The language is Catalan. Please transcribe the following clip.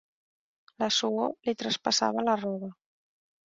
La suor li traspassava la roba.